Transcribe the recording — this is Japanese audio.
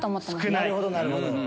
なるほどなるほど。